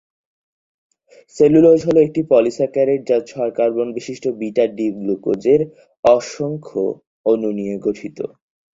সমগ্র খেলোয়াড়ী জীবনে দুইটিমাত্র টেস্ট ও চৌদ্দটি একদিনের আন্তর্জাতিকে অংশগ্রহণ করেছেন মোহাম্মদ হুসাইন।